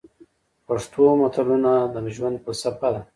پښتو متلونه د ژوند فلسفه ده.